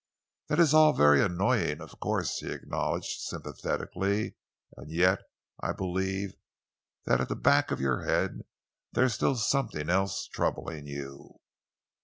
"That is all very annoying, of course," he acknowledged sympathetically, "and yet I believe that at the back of your head there is still something else troubling you."